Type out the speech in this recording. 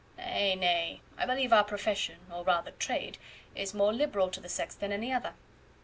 "Nay, nay; I believe our profession, or rather trade, is more liberal to the sex than any other.